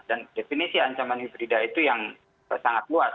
dan definisi ancaman hibrida itu yang sangat luas